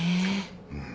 うん。